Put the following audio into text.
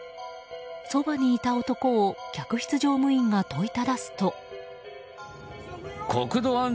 そばにいた男を客室乗務員が問いただすと。